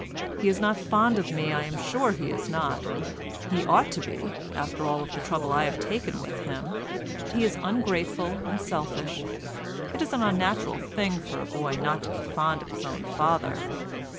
He is not fond of me, I'm sure he is not. He ought to be after all the trouble I have taken with him, but he is ungrateful and selfish. It is an unnatural thing for a boy not to be fond of his own father.